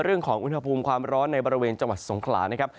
เรื่องของอุณหภูมิความร้อนในบริเวณจังหวัดสงขลานะครับ